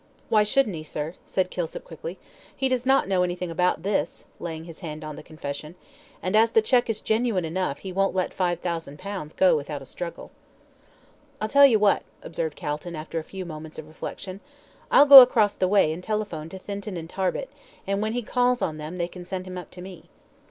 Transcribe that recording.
"Why shouldn't he, sir?" said Kilsip, quickly. "He does not know anything about this," laying his hand on the confession, "and as the cheque is genuine enough he won't let five thousand pounds go without a struggle." "I'll tell you what," observed Calton, after a few moments of reflection, "I'll go across the way and telephone to Thinton and Tarbit, and when he calls on them they can send him up to me."